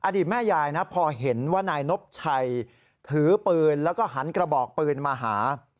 อดีตแม่ยายนะพอเห็นว่านายนบชัยถือปืนแล้วก็หันกระบอกปืนมาหา